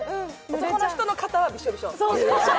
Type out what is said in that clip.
男の人の肩はびしょびしょ。